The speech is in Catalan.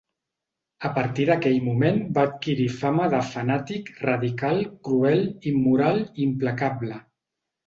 A partir d'aquell moment va adquirir fama de fanàtic, radical, cruel, immoral i implacable.